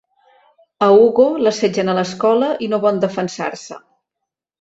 A Hugo l'assetgen a l'escola i no vol defensar-se.